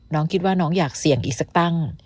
น้องคิดว่าน้องอยากเสี่ยงอีกสักตั้ง